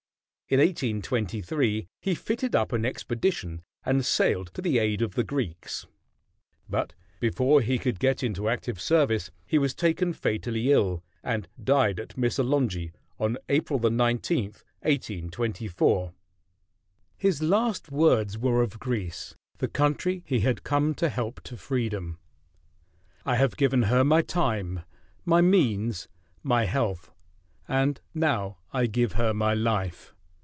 In 1823 he fitted up an expedition and sailed to the aid of the Greeks; but before he could get into active service he was taken fatally ill, and died at Missolonghi on April 19, 1824. His last words were of Greece, the country he had come to help to freedom: "I have given her my time, my means, my health and now I give her my life!